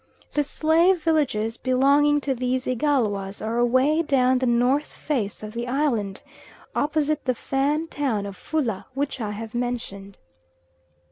The slave villages belonging to these Igalwas are away down the north face of the island, opposite the Fan town of Fula, which I have mentioned.